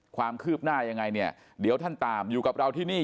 ความคืบหน้ายังไงเนี่ยเดี๋ยวท่านตามอยู่กับเราที่นี่